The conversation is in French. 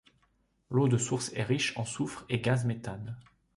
L'eau de source est riche en soufre et gaz méthane.